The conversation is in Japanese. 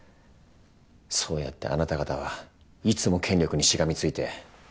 そうやってあなた方はいつも権力にしがみついて。